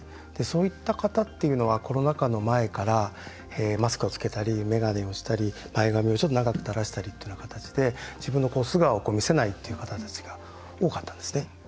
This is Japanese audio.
そういった方っていうのはコロナ禍の前からマスクをつけたり眼鏡をしたり前髪をちょっと長く垂らしたりっていうような形で自分の素顔を見せないっていう方たちが多かったんですね。